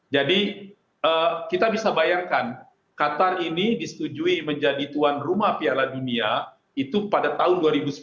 jadi kita bisa bayangkan qatar ini disetujui menjadi tuan rumah piala dunia itu pada tahun dua ribu sepuluh